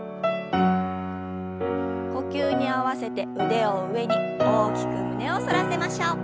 呼吸に合わせて腕を上に大きく胸を反らせましょう。